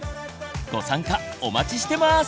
ご参加お待ちしてます！